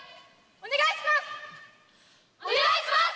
お願いします！